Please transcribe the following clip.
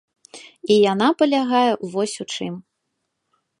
І яна палягае вось у чым.